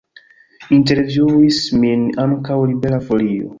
Intervjuis min ankaŭ Libera Folio.